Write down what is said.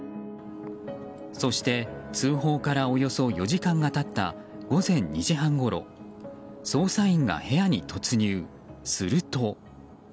そして、通報からおよそ４時間が経った午前２時半ごろ捜査員が部屋に突入。